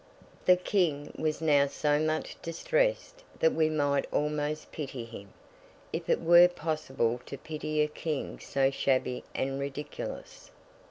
The King was now so much distressed that we might almost pity him, if it were possible to pity a King so shabby and ridiculous.